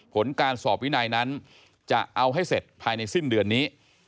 ผลการสอบวินัยนั้นจะเอาให้เสร็จภายในสิ้นเดือนนี้